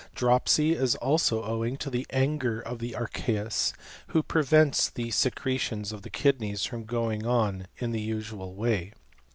Dropsy is also owing toJ anger of the archeus, who prevents the secretioM the kidneys from going on in the usual 'way.